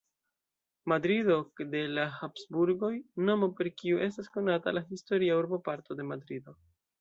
Madrido de la Habsburgoj, nomo per kiu estas konata la historia urboparto de Madrido.